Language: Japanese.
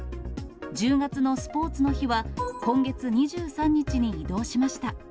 １０月のスポーツの日は今月２３日に移動しました。